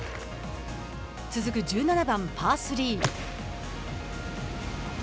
続く１７番パー３。